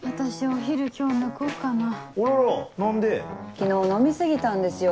昨日飲み過ぎたんですよ